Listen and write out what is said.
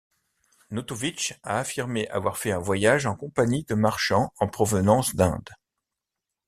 Notovič a affirmé avoir fait un voyage en compagnie de marchands en provenance d'Inde.